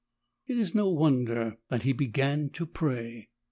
It is no won der that he began to pray.